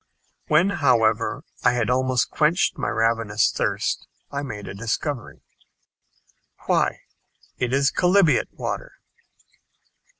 When, however, I had almost quenched my ravenous thirst, I made a discovery. "Why, it is chalybeate water!"